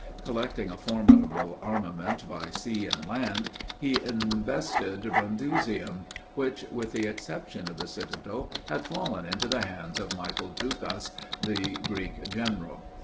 Collecting a formidable armament by sea and land, he invested Brundusium; which, with the exception of the citadel, had fallen into the hands of Michael Ducas, the Greek general.